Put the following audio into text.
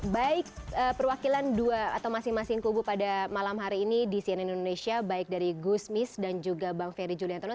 baik perwakilan dua atau masing masing kubu pada malam hari ini di cnn indonesia baik dari gusmis dan juga bang ferry juliantono